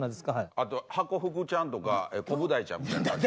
あとハコフグちゃんとかコブダイちゃんみたいな。